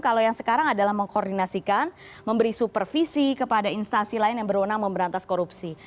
kalau yang sekarang adalah mengkoordinasikan memberi supervisi kepada instansi lain yang berwenang memberantas korupsi